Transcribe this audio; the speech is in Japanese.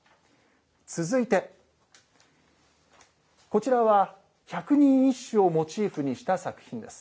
続いて、こちらは百人一首をモチーフにした作品です。